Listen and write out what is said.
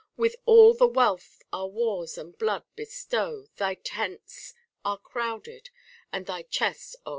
With all the wealth our wars and blood bestow, Thy tents are crowded and thy chests o'erflow.